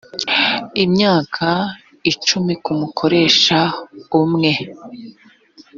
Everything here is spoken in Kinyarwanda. imyaka icumi ku mukoresha umwe